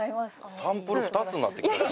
サンプル２つになってきた。